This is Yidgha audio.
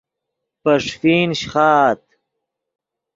پے ݰیفین شیخآت